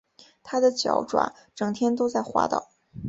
他的脚爪整天都在滑倒